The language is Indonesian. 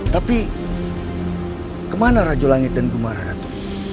tapi kemana rajo langit dan gumar atuk